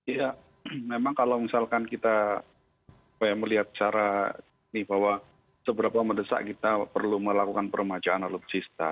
ya memang kalau misalkan kita melihat secara ini bahwa seberapa mendesak kita perlu melakukan permajaan alutsista